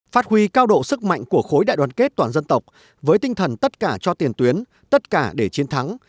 phát huy cao độ sức mạnh của khối đại đoàn kết toàn dân tộc với tinh thần tất cả cho tiền tuyến tất cả để chiến thắng